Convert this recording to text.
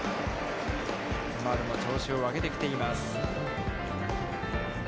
丸も調子を上げてきています。